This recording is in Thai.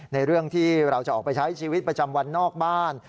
ในเรื่องที่เราจะออกไปใช้ชีวิตประจำวันนอกบ้าน